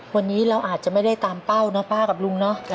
วันนี้เราอาจจะไม่ได้ตามเป้านะป้ากับลุงเนาะ